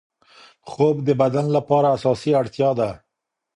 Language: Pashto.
خوب د بدن لپاره اساسي اړتیا ده.